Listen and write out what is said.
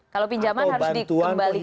kalau pinjaman harus dikembalikan